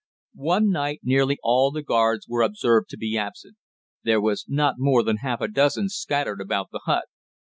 One night nearly all the guards were observed to be absent. There were not more than half a dozen scattered about the hut.